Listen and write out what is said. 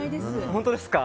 本当ですか？